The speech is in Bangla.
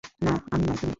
না, আমি নয়, তুমি!